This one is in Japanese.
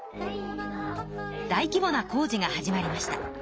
大規ぼな工事が始まりました。